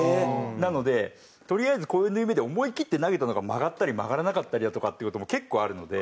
なのでとりあえず思い切って投げたのが曲がったり曲がらなかったりだとかっていう事も結構あるので。